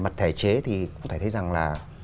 thể chế thì cũng thể thấy rằng là